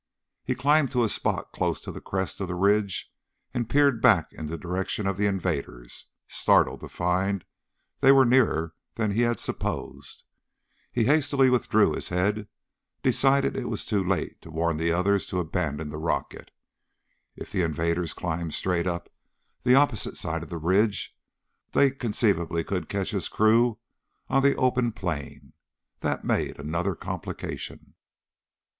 He climbed to a spot close to the crest of the ridge and peered back in the direction of the invaders, startled to find they were nearer than he had supposed. He hastily withdrew his head, deciding it was too late to warn the others to abandon the rocket. If the invaders climbed straight up the opposite side of the ridge, they conceivably could catch his crew on the open plain. That made another complication.